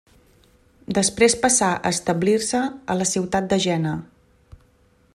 Després passà a establir-se a la ciutat de Jena.